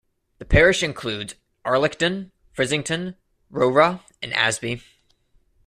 The parish includes Arlecdon, Frizington, Rowrah and Asby.